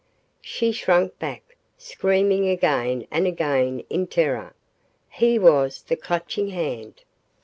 She shrank back, screaming again and again in terror. He WAS the Clutching Hand!